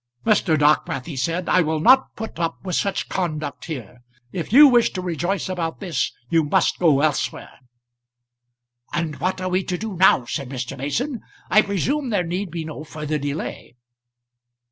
"Mr. Dockwrath," he said, "I will not put up with such conduct here. If you wish to rejoice about this, you must go elsewhere." "And what are we to do now?" said Mr. Mason. "I presume there need be no further delay."